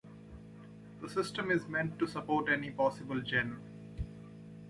The system is meant to support any possible genre.